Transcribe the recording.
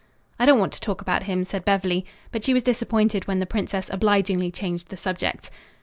"I don't want to talk about him," said Beverly, but she was disappointed when the princess obligingly changed the subject.